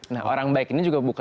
nah orang baik ini juga bukan